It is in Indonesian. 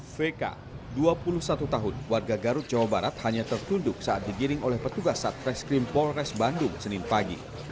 vk dua puluh satu tahun warga garut jawa barat hanya tertunduk saat digiring oleh petugas satreskrim polres bandung senin pagi